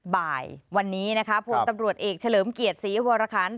บ่ายวันนี้นะคะพลตำรวจเอกเฉลิมเกียรติศรีวรคัน